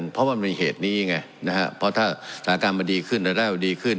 เพราะว่ามันมีเหตุนี้ไงเพราะถ้าสถานการณ์มันดีขึ้นหรือได้ดีขึ้น